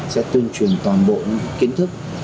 sẽ tuyên truyền toàn bộ kiến thức